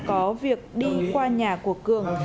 có việc đi qua nhà của cường